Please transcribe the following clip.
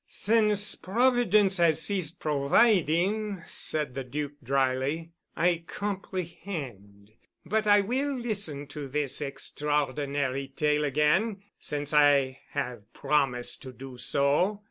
"Since Providence has ceased providing," said the Duc dryly, "I comprehend. But I will listen to this extraordinary tale again, since I have promised to do so.